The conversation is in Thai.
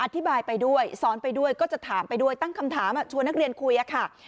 อธิบายไปด้วยสอนไปด้วยก็จะถามไปด้วยตั้งคำถามชวนนักเรียนคุยค่ะ